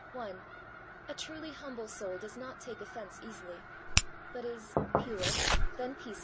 I. A truly humble soul does not take offence easily, but is ' pure, then peaceable.